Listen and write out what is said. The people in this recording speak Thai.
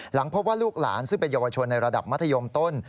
หลังพบว่าลูกหลานซึ่งเป็นเยาวชนในระดับมัธยมต้น